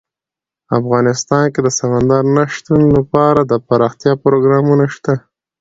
افغانستان کې د سمندر نه شتون لپاره دپرمختیا پروګرامونه شته.